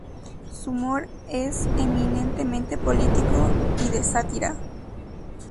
Su humor es eminentemente político y de sátira.